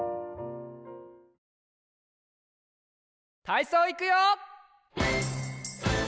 たいそういくよ！